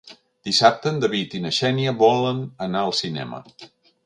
Dissabte en David i na Xènia volen anar al cinema.